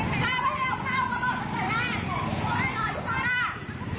กลับมาเล่าให้ฟังครับ